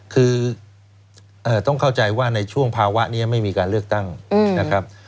คือต้องเข้าใจว่าในช่วงภาวะนี้ไม่มีการเลือกตั้งนะครับ